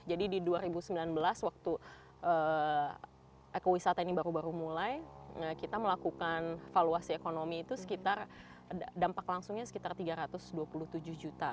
jadi di dua ribu sembilan belas waktu ekowisata ini baru baru mulai kita melakukan valuasi ekonomi itu dampak langsungnya sekitar tiga ratus dua puluh tujuh juta